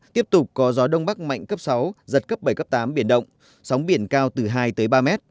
tiếp tục có gió đông bắc mạnh cấp sáu giật cấp bảy cấp tám biển động sóng biển cao từ hai ba m